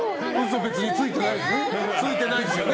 別に嘘ついてないですよね。